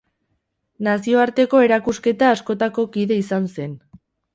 Nazioarteko erakusketa askotako kide izan zen.